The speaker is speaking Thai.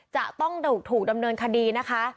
จะต้องถูกดำเนินคดีนะคะ